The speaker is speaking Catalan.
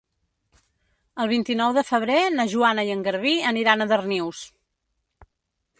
El vint-i-nou de febrer na Joana i en Garbí aniran a Darnius.